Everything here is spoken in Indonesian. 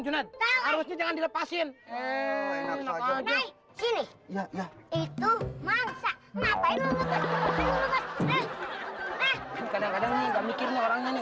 jangan dilepasin enak aja itu maksa ngapain lu